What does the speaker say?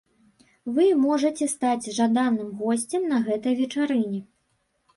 Вы можаце стаць жаданым госцем на гэтай вечарыне.